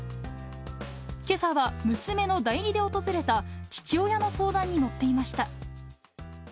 けさは娘の代理で訪れた、父親の相談に乗っていました。